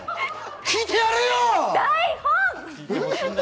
聞いてやれよ！